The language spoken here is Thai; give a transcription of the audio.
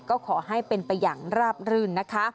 ก็ขอให้เป็นประหยังราบรื่นนะคะ